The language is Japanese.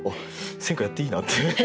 選歌やっていいなって。